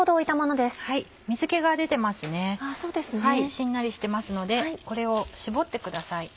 しんなりしてますのでこれを絞ってください。